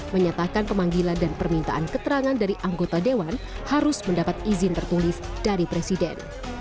menyatakan pemanggilan dan permintaan keterangan dari anggota dewan harus mendapat izin tertulis dari presiden